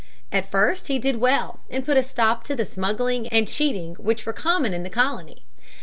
At first he did well and put a stop to the smuggling and cheating which were common in the colony.